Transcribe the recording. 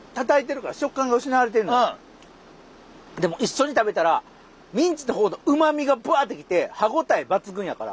でも一緒に食べたらミンチの方のうまみがぶわっと来て歯応え抜群やから。